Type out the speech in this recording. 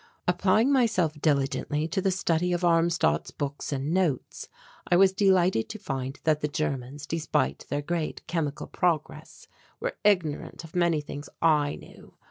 Applying myself diligently to the study of Armstadt's books and notes, I was delighted to find that the Germans, despite their great chemical progress, were ignorant of many things I knew.